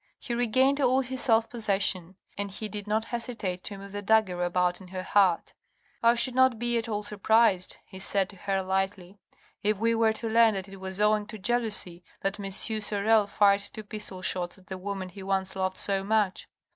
He regained all his self possession — and he did not hesitate to move the dagger about in her heart. " I should not be at all surprised," he said to her lightly, "if we were to learn that it was owing to jealousy that M. Sorel fired two pistol shots at the woman he once loved so much.